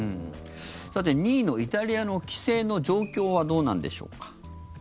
さて、２位のイタリアの規制の状況はどうなんでしょう。